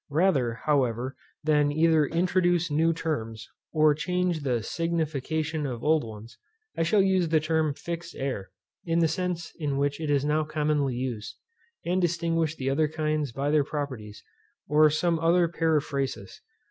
Rather, however, than either introduce new terms, or change the signification of old ones, I shall use the term fixed air, in the sense in which it is now commonly used, and distinguish the other kinds by their properties, or some other periphrasis.